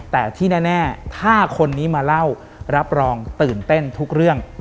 แต่ที่แน่ถ้าคนนี้มาเล่ารับรองตื่นเต้นทุกเรื่อง